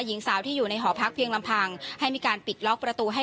หญิงสาวที่อยู่ในหอพักเพียงลำพังให้มีการปิดล็อกประตูให้